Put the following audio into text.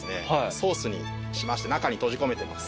ソースにしまして中に閉じ込めてます。